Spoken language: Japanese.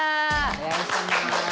お願いします。